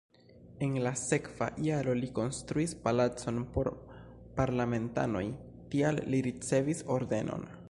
En la sekva jaro li konstruis palacon por parlamentanoj, tial li ricevis ordenon.